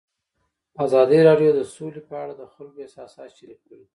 ازادي راډیو د سوله په اړه د خلکو احساسات شریک کړي.